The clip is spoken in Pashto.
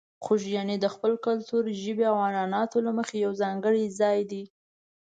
خوږیاڼي د خپل کلتور، ژبې او عنعناتو له مخې یو ځانګړی ځای دی.